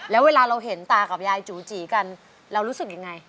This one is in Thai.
แล้วเวลาเราเห็นตากับยายจูจีกันเรารู้สึกยังไง